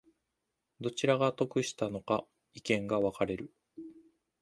どちらが得したのか意見が分かれる